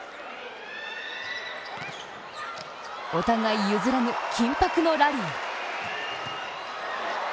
お互い譲らぬ緊迫のラリー。